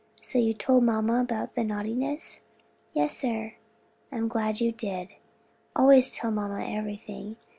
"So you told mamma about the naughtiness?" "Yes, sir." "I am glad you did. Always tell mamma everything.